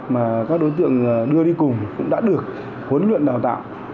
và những đối tượng đưa đi cùng cũng đã được huấn luyện đào tạo